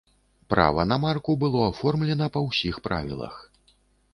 Права на марку было аформлена па ўсіх правілах.